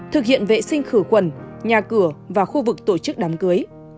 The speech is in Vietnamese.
thực hiện vệ sinh khử quẩn nhà cửa và khu vực tổ chức đám cưới